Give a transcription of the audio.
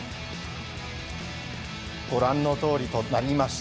ご覧のとおりとなりました。